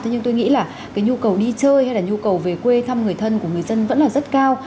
thế nhưng tôi nghĩ là cái nhu cầu đi chơi hay là nhu cầu về quê thăm người thân của người dân vẫn là rất cao